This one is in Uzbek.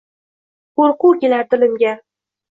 Qo’rquv kelar dilimga.